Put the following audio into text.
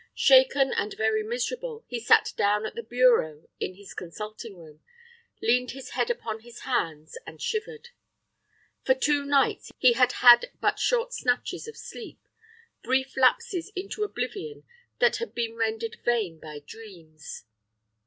Shaken and very miserable, he sat down at the bureau in his consulting room, leaned his head upon his hands, and shivered. For two nights he had had but short snatches of sleep, brief lapses into oblivion that had been rendered vain by dreams.